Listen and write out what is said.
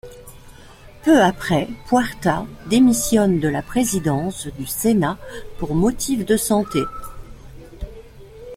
Peu après, Puerta démissionne de la présidence du Sénat pour motif de santé.